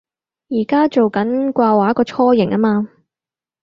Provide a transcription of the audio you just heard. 而家做緊掛畫個雛形吖嘛